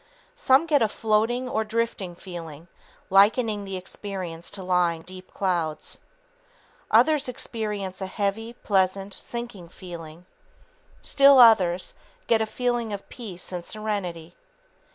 Some get a "floating" or "drifting" feeling, likening the experience to lying on deep clouds. Others experience a heavy, pleasant, "sinking" feeling. Still others get a feeling of "peace and serenity."